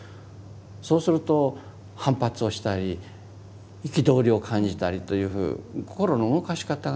そうすると反発をしたり憤りを感じたりという心の動かし方が。